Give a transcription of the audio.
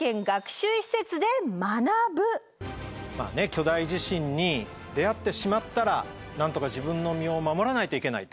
巨大地震に出合ってしまったらなんとか自分の身を守らないといけないと。